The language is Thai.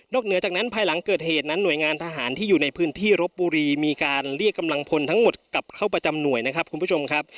เหนือจากนั้นภายหลังเกิดเหตุนั้นหน่วยงานทหารที่อยู่ในพื้นที่รบบุรีมีการเรียกกำลังพลทั้งหมดกลับเข้าประจำหน่วยนะครับคุณผู้ชมครับ